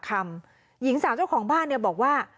คำหญิงสาวเจ้าของบ้านบอกว่า